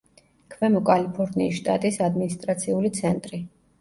ქვემო კალიფორნიის შტატის ადმინისტრაციული ცენტრი.